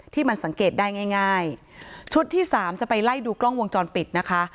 ที่มันสังเกตได้ง่ายง่ายชุดที่สามจะไปไล่ดูกล้องวงจรปิดนะคะ